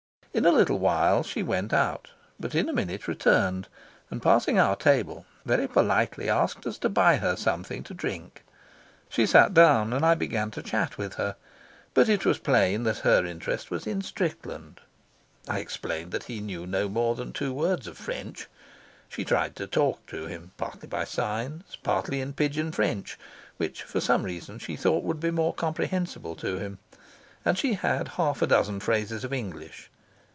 In a little while she went out, but in a minute returned and, passing our table, very politely asked us to buy her something to drink. She sat down and I began to chat with her; but, it was plain that her interest was in Strickland. I explained that he knew no more than two words of French. She tried to talk to him, partly by signs, partly in pidgin French, which, for some reason, she thought would be more comprehensible to him, and she had half a dozen phrases of English.